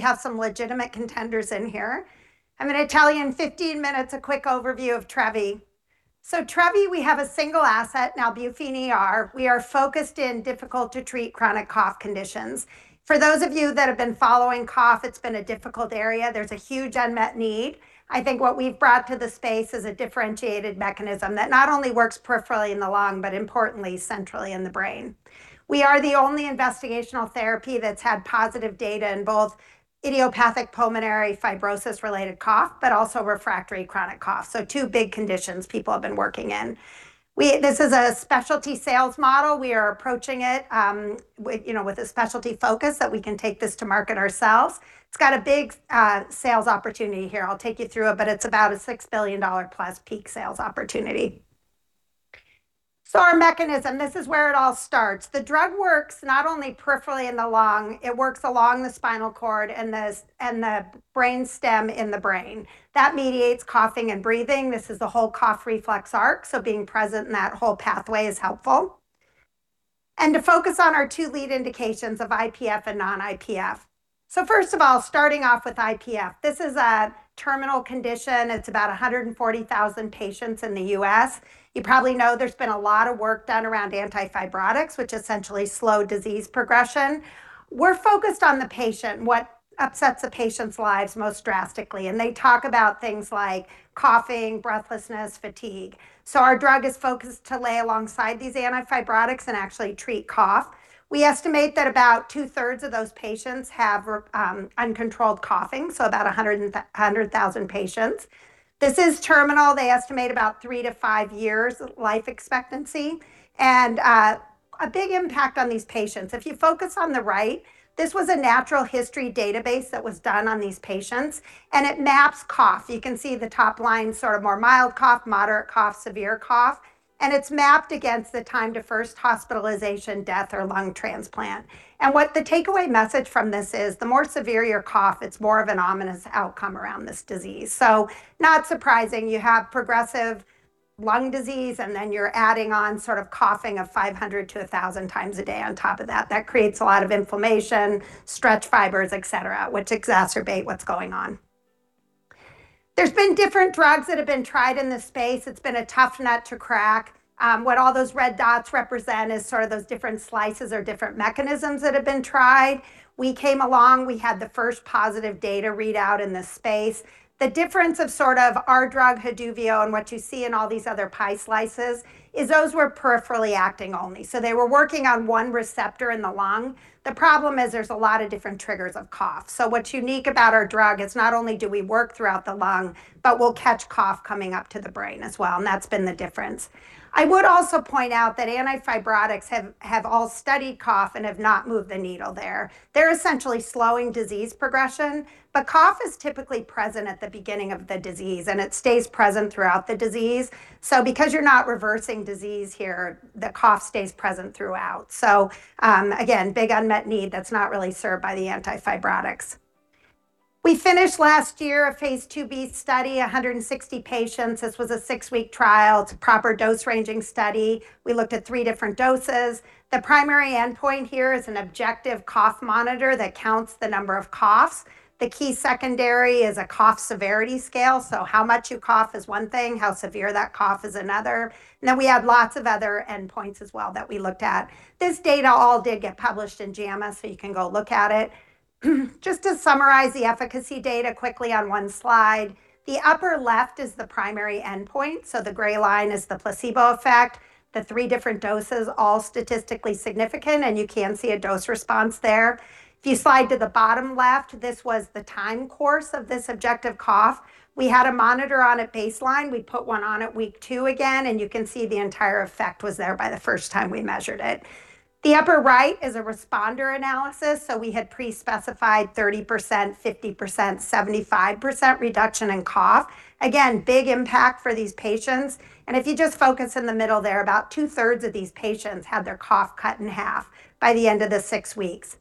We have some legitimate contenders in here. I'm gonna tell you in 15 minutes a quick overview of Trevi. Trevi, we have a single asset, nalbuphine ER. We are focused in difficult to treat chronic cough conditions. For those of you that have been following cough, it's been a difficult area. There's a huge unmet need. I think what we've brought to the space is a differentiated mechanism that not only works peripherally in the lung, but importantly centrally in the brain. We are the only investigational therapy that's had positive data in both idiopathic pulmonary fibrosis-related cough, but also refractory chronic cough. Two big conditions people have been working in. This is a specialty sales model. We are approaching it, you know, with a specialty focus that we can take this to market ourselves. It's got a big sales opportunity here. I'll take you through it, but it's about a $6 billion+ peak sales opportunity. Our mechanism, this is where it all starts. The drug works not only peripherally in the lung, it works along the spinal cord and the brainstem in the brain. That mediates coughing and breathing. This is the whole cough reflex arc, so being present in that whole pathway is helpful. To focus on our two lead indications of IPF and non-IPF. First of all, starting off with IPF. This is a terminal condition. It's about 140,000 patients in the U.S. You probably know there's been a lot of work done around antifibrotics, which essentially slow disease progression. We're focused on the patient, what upsets the patients' lives most drastically, and they talk about things like coughing, breathlessness, fatigue. Our drug is focused to lay alongside these antifibrotics and actually treat cough. We estimate that about 2/3 of those patients have uncontrolled coughing, so about 100,000 patients. This is terminal. They estimate about three to five years life expectancy and a big impact on these patients. If you focus on the right, this was a natural history database that was done on these patients, and it maps cough. You can see the top line, sort of more mild cough, moderate cough, severe cough, and it's mapped against the time to first hospitalization, death, or lung transplant. What the takeaway message from this is, the more severe your cough, it's more of an ominous outcome around this disease. Not surprising, you have progressive lung disease, and then you're adding on sort of coughing of 500 to 1,000 times a day on top of that. That creates a lot of inflammation, stretch fibers, et cetera, which exacerbate what's going on. There's been different drugs that have been tried in this space. It's been a tough nut to crack. What all those red dots represent is sort of those different slices or different mechanisms that have been tried. We came along, we had the first positive data readout in this space. The difference of sort of our drug, Haduvio, and what you see in all these other pie slices is those were peripherally acting only. They were working on one receptor in the lung. The problem is there's a lot of different triggers of cough. What's unique about our drug is not only do we work throughout the lung, but we'll catch cough coming up to the brain as well, and that's been the difference. I would also point out that antifibrotics have all studied cough and have not moved the needle there. They're essentially slowing disease progression, but cough is typically present at the beginning of the disease, and it stays present throughout the disease. Because you're not reversing disease here, the cough stays present throughout. Again, big unmet need that's not really served by the antifibrotics. We finished last year a phase II-B study, 160 patients. This was a six-week trial. It's a proper dose-ranging study. We looked at three different doses. The primary endpoint here is an objective cough monitor that counts the number of coughs. The key secondary is a cough severity scale. How much you cough is one thing, how severe that cough is another. We had lots of other endpoints as well that we looked at. This data all did get published in JAMA, you can go look at it. Just to summarize the efficacy data quickly on one slide, the upper left is the primary endpoint, the gray line is the placebo effect. The three different doses all statistically significant, you can see a dose response there. If you slide to the bottom left, this was the time course of this objective cough. We had a monitor on at baseline. We put one on at week two again, you can see the entire effect was there by the first time we measured it. The upper right is a responder analysis, we had pre-specified 30%, 50%, 75% reduction in cough. Again, big impact for these patients. If you just focus in the middle there, about 2/3 of these patients had their cough cut in half by the end of the six weeks.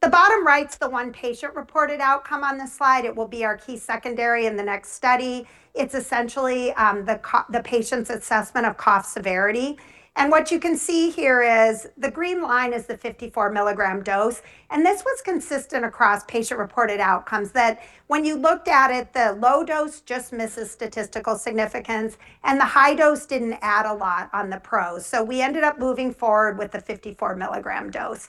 The bottom right's the one patient-reported outcome on this slide. It will be our key secondary in the next study. It's essentially the patient's assessment of cough severity. What you can see here is the green line is the 54 mg dose, and this was consistent across patient-reported outcomes that when you looked at it, the low dose just misses statistical significance, and the high dose didn't add a lot on the PROs. We ended up moving forward with the 54 mg dose.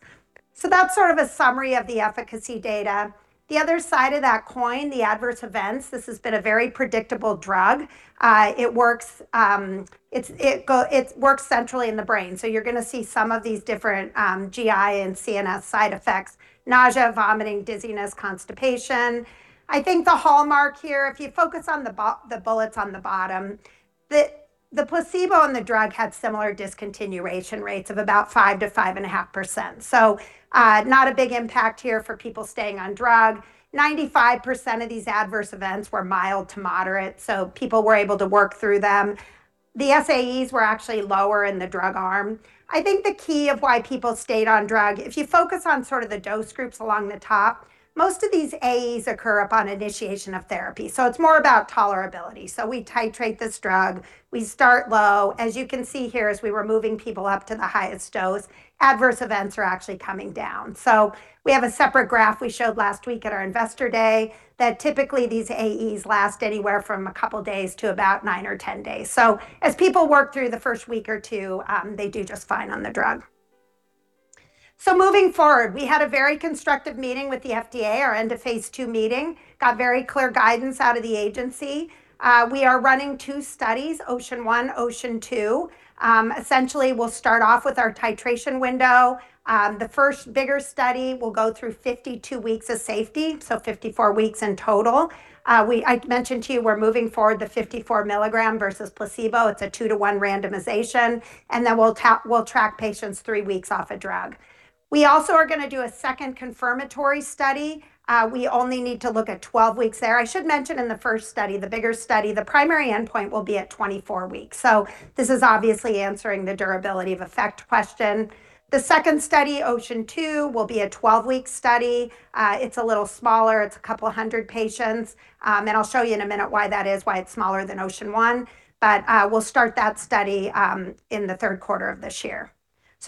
That's sort of a summary of the efficacy data. The other side of that coin, the adverse events, this has been a very predictable drug. It works, it works centrally in the brain, you're gonna see some of these different GI and CNS side effects, nausea, vomiting, dizziness, constipation. I think the hallmark here, if you focus on the bullets on the bottom, the placebo and the drug had similar discontinuation rates of about 5%-5.5%. Not a big impact here for people staying on drug. 95% of these adverse events were mild to moderate, people were able to work through them. The SAEs were actually lower in the drug arm. I think the key of why people stayed on drug, if you focus on sort of the dose groups along the top, most of these AEs occur upon initiation of therapy, it's more about tolerability. We titrate this drug. We start low. As you can see here, as we were moving people up to the highest dose, adverse events are actually coming down. We have a separate graph we showed last week at our Investor Day that typically these AEs last anywhere from a couple of days to about nine or 10 days. As people work through the first week or two, they do just fine on the drug. Moving forward, we had a very constructive meeting with the FDA, our end of phase II meeting. We got very clear guidance out of the agency. We are running two studies, OCEAN 1, OCEAN 2. Essentially, we'll start off with our titration window. The first bigger study will go through 52 weeks of safety, so 54 weeks in total. I mentioned to you we're moving forward the 54 mg versus placebo. It's a two-to-one randomization, then we'll track patients three weeks off a drug. We also are gonna do a second confirmatory study. We only need to look at 12 weeks there. I should mention in the first study, the bigger study, the primary endpoint will be at 24 weeks. This is obviously answering the durability of effect question. The second study, OCEAN 2, will be a 12-week study. It's a little smaller. It's a couple of 100 patients. I'll show you in a minute why that is, why it's smaller than OCEAN 1. We'll start that study in the third quarter of this year.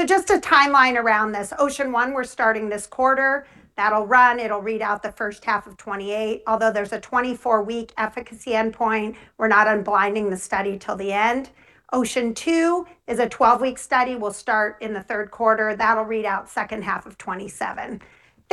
Just a timeline around this. OCEAN 1, we're starting this quarter. That'll run. It'll read out the first half of 2028. Although there's a 24-week efficacy endpoint, we're not unblinding the study till the end. OCEAN 2 is a 12-week study. We'll start in the third quarter. That'll read out second half of 2027.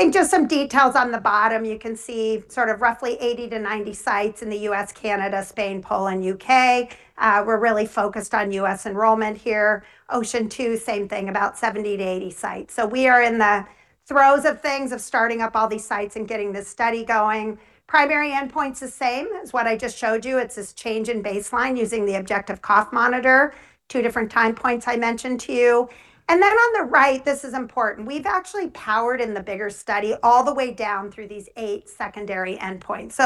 Think just some details on the bottom. You can see sort of roughly 80-90 sites in the U.S., Canada, Spain, Poland, U.K. We're really focused on U.S. enrollment here. OCEAN 2, same thing, about 70-80 sites. We are in the throes of things, of starting up all these sites and getting this study going. Primary endpoint's the same as what I just showed you. It's this change in baseline using the objective cough monitor. Two different time points I mentioned to you. On the right, this is important. We've actually powered in the bigger study all the way down through these eight secondary endpoints.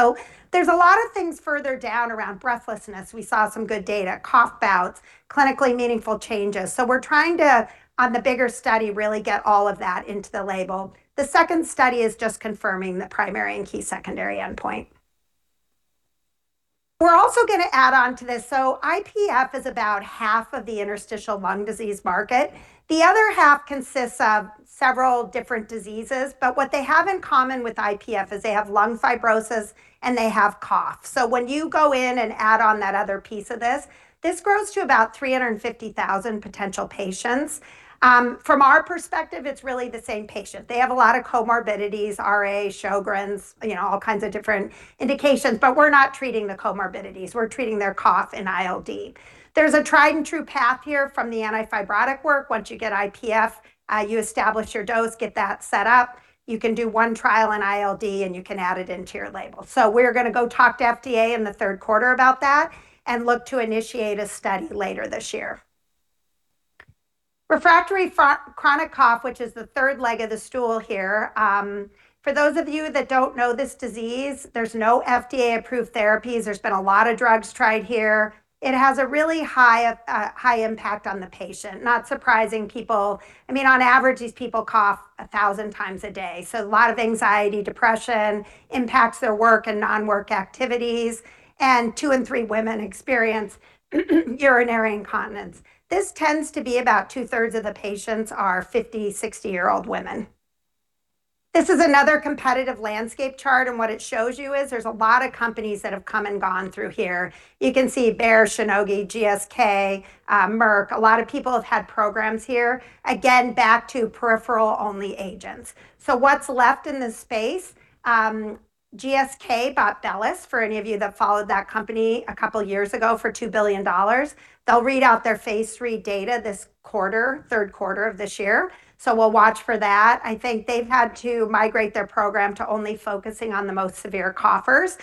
There's a lot of things further down around breathlessness. We saw some good data, cough bouts, clinically meaningful changes. We're trying to, on the bigger study, really get all of that into the label. The second study is just confirming the primary and key secondary endpoint. We're also gonna add on to this. IPF is about half of the interstitial lung disease market. The other half consists of several different diseases, but what they have in common with IPF is they have lung fibrosis and they have cough. When you go in and add on that other piece of this grows to about 350,000 potential patients. From our perspective, it's really the same patient. They have a lot of comorbidities, RA, Sjögren's, you know, all kinds of different indications, but we're not treating the comorbidities. We're treating their cough and ILD. There's a tried and true path here from the antifibrotic work. Once you get IPF, you establish your dose, get that set up. You can do one trial in ILD, you can add it into your label. We're gonna go talk to FDA in the third quarter about that and look to initiate a study later this year. Refractory chronic cough, which is the third leg of the stool here. For those of you that don't know this disease, there's no FDA-approved therapies. There's been a lot of drugs tried here. It has a really high, high impact on the patient. Not surprising, I mean, on average, these people cough 1,000 times a day. A lot of anxiety, depression, impacts their work and non-work activities. Two in three women experience urinary incontinence. This tends to be about 2/3 of the patients are 50, 60-year-old women. This is another competitive landscape chart, and what it shows you is there's a lot of companies that have come and gone through here. You can see Bayer, Shionogi, GSK, Merck. A lot of people have had programs here. Again, back to peripheral-only agents. What's left in this space? GSK bought BELLUS, for any of you that followed that company a couple of years ago, for $2 billion. They'll read out their phase III data this quarter, third quarter of this year. We'll watch for that. I think they've had to migrate their program to only focusing on the most severe coughers.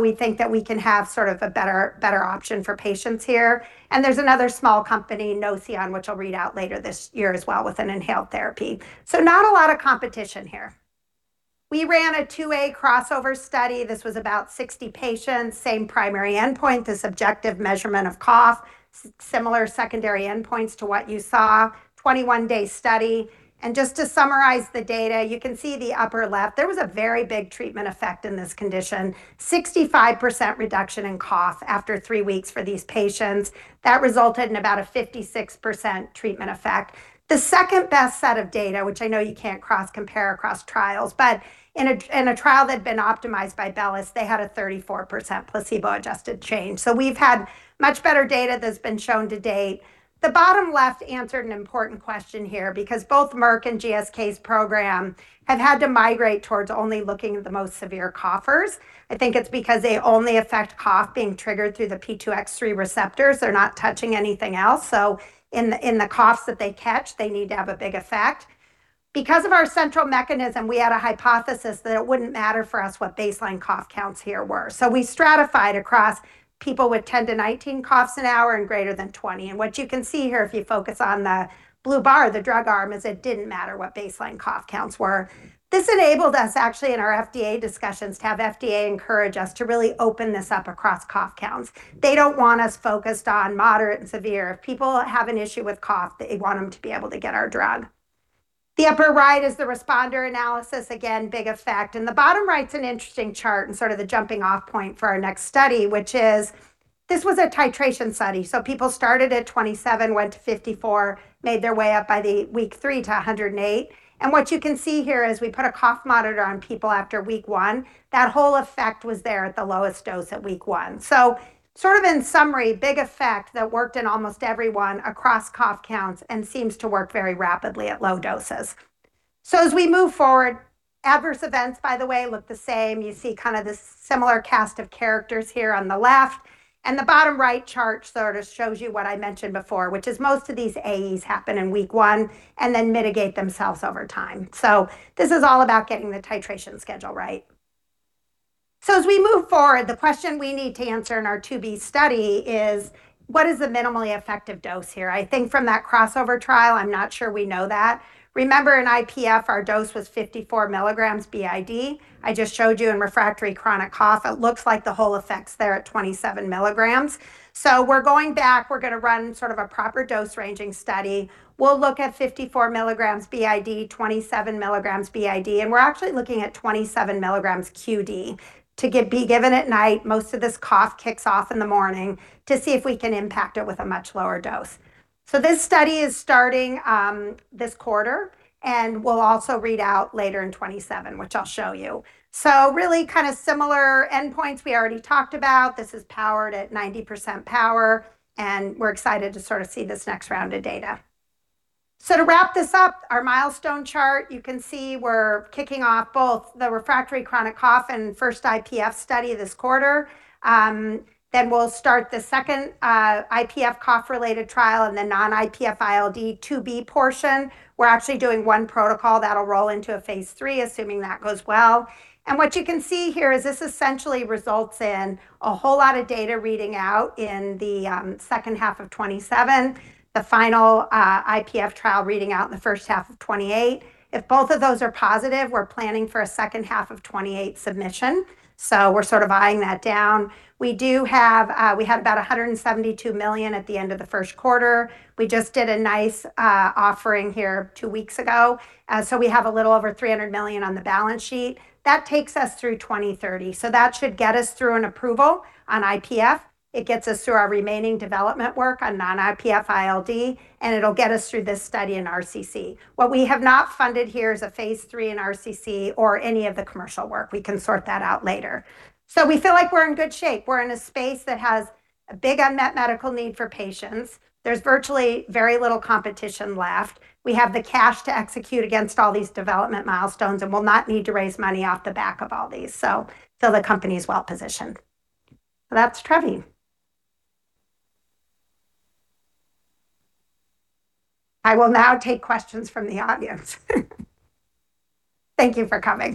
We think that we can have sort of a better option for patients here. There's another small company, Nocion, which will read out later this year as well with an inhaled therapy. Not a lot of competition here. We ran a two-way crossover study. This was about 60 patients, same primary endpoint, this objective measurement of cough. Similar secondary endpoints to what you saw. 21-day study. Just to summarize the data, you can see the upper left. There was a very big treatment effect in this condition. 65% reduction in cough after three weeks for these patients. That resulted in about a 56% treatment effect. The second-best set of data, which I know you can't cross-compare across trials, but in a trial that had been optimized by BELLUS Health, they had a 34% placebo-adjusted change. We've had much better data that's been shown to date. The bottom left answered an important question here because both Merck and GSK's program have had to migrate towards only looking at the most severe coughers. I think it's because they only affect cough being triggered through the P2X3 receptors. They're not touching anything else. In the coughs that they catch, they need to have a big effect. Because of our central mechanism, we had a hypothesis that it wouldn't matter for us what baseline cough counts here were. We stratified across people with 10-19 coughs an hour and greater than 20. What you can see here, if you focus on the blue bar, the drug arm, is it didn't matter what baseline cough counts were. This enabled us actually in our FDA discussions to have FDA encourage us to really open this up across cough counts. They don't want us focused on moderate and severe. If people have an issue with cough, they want them to be able to get our drug. Big effect. The bottom right's an interesting chart and sort of the jumping-off point for our next study, which is this was a titration study. People started at 27 mg, went to 54 mg, made their way up by the week three to 108 mg. What you can see here is we put a cough monitor on people after week one. That whole effect was there at the lowest dose at week one. Sort of in summary, big effect that worked in almost everyone across cough counts, and seems to work very rapidly at low doses. Adverse events, by the way, look the same. You see kinda the similar cast of characters here on the left. The bottom right chart sort of shows you what I mentioned before, which is most of these AEs happen in week one and then mitigate themselves over time. This is all about getting the titration schedule right. As we move forward, the question we need to answer in our phase II-B study is what is the minimally effective dose here? I think from that crossover trial, I'm not sure we know that. Remember, in IPF, our dose was 54 mgs BID. I just showed you in refractory chronic cough, it looks like the whole effect's there at 27 mg. We're going back. We're gonna run sort of a proper dose-ranging study. We'll look at 54 mgs BID, 27 mg BID, and we're actually looking at 27 mg QD to be given at night, most of this cough kicks off in the morning, to see if we can impact it with a much lower dose. This study is starting this quarter, and we'll also read out later in 2027, which I'll show you. Really kinda similar endpoints we already talked about. This is powered at 90% power, and we're excited to sorta see this next round of data. To wrap this up, our milestone chart. You can see we're kicking off both the refractory chronic cough and first IPF study this quarter. Then we'll start the second IPF cough-related trial and the non-IPF ILD IIb portion. We're actually doing one protocol. That'll roll into a phase III, assuming that goes well. What you can see here is this essentially results in a whole lot of data reading out in the second half of 2027, the final IPF trial reading out in the first half of 2028. If both of those are positive, we're planning for a second half of 2028 submission, so we're sort of eyeing that down. We do have, we had about $172 million at the end of the first quarter. We just did a nice offering here two weeks ago, so we have a little over $300 million on the balance sheet. That takes us through 2030, so that should get us through an approval on IPF. It gets us through our remaining development work on non-IPF ILD, and it'll get us through this study in RCC. What we have not funded here is a phase III in RCC or any of the commercial work. We can sort that out later. We feel like we're in good shape. We're in a space that has a big unmet medical need for patients. There's virtually very little competition left. We have the cash to execute against all these development milestones, and we'll not need to raise money off the back of all these. The company's well-positioned. That's Trevi. I will now take questions from the audience. Thank you for coming.